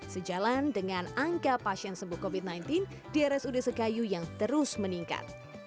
sejalan dengan angka pasien sembuh covid sembilan belas di rsud sekayu yang terus meningkat